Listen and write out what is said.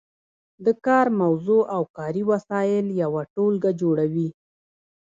د کار موضوع او کاري وسایل یوه ټولګه جوړوي.